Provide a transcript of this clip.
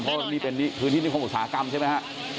เพราะมีเป็นนี้พื้นที่นิคมอุตสาหกรรมใช่ไหมคะ